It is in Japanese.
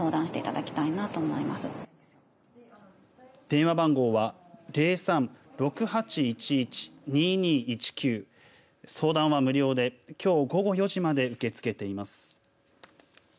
電話番号は０３‐６８１１‐２２１９相談は無料できょう午後４時まで受け付けています。